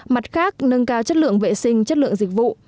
mặt khác nâng cao chất lượng vệ sinh chất lượng dịch vụ